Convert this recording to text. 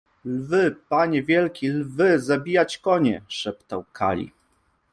— Lwy, panie wielki! lwy zabijać konie! — szeptał Kali.